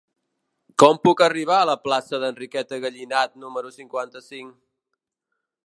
Com puc arribar a la plaça d'Enriqueta Gallinat número cinquanta-cinc?